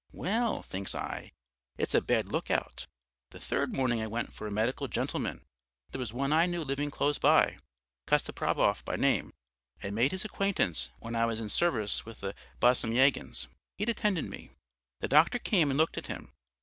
Well, thinks I, it's a bad look out! The third morning I went for a medical gentleman. There was one I knew living close by, Kostopravov by name. I'd made his acquaintance when I was in service with the Bosomyagins; he'd attended me. The doctor come and looked at him.